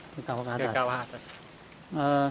ke kawasan atas